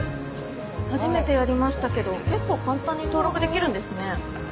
初めてやりましたけど結構簡単に登録できるんですね。